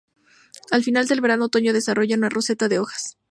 Al final del verano-otoño desarrolla una roseta de hojas.